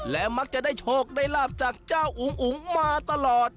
และมักจะได้โชคได้ลาบจากเจ้าอุ๋งอุ๋งมาตลอด